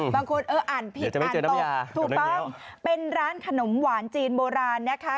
เอออ่านผิดอ่านตกถูกต้องเป็นร้านขนมหวานจีนโบราณนะคะ